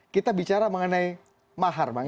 kita bicara mengenai mahar bang